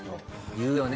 言うよね